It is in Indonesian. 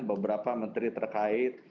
beberapa menteri terkait